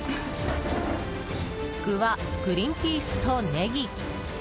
具はグリンピースとネギ。